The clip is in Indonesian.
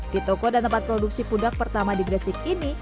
di toko dan tempat produksi pudak pertama di gresik ini